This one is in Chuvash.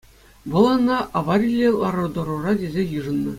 Вӑл ӑна авариллӗ лару-тӑрура тесе йышӑннӑ.